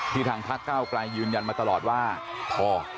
ที่ทางพระเจ้ากลายยืนยันมาตลอดว่าพอ